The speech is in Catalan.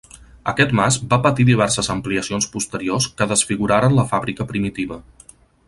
Aquest mas va patir diverses ampliacions posteriors que desfiguraren la fàbrica primitiva.